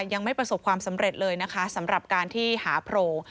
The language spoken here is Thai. ยังไม่ประสบความสำเร็จเลยนะคะสำหรับการที่หาโพรง